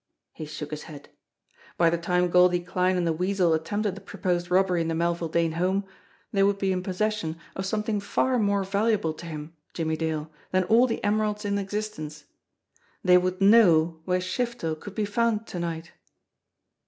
He shook his head. By the time Goldie Kline and the Weasel attempted the proposed robbery in the Melville Dane home, they would be in possession of something far more valuable to him, Jimmie Dale, than all the emeralds in existence they would know where Shiftel could be found to night.